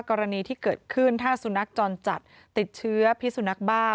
กรณีที่เกิดขึ้นถ้าสุนัขจรจัดติดเชื้อพิสุนักบ้า